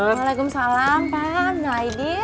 waalaikumsalam pak nailin